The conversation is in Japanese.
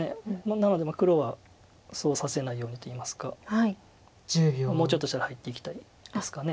なので黒はそうさせないようにといいますかもうちょっとしたら入っていきたいですかね。